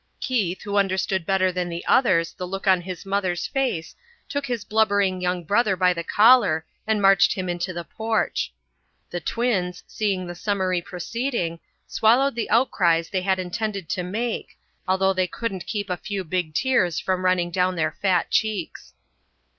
Keith, who understood better than the others the look on his mother's face, took his blubbering young brother by the collar and marched him into the porch. The twins, seeing the summary proceeding, swallowed the outcries they had intended to make, although they couldn't keep a few big tears from running down their fat cheeks.